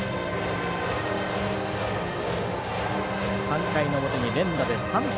３回の表に連打で３点。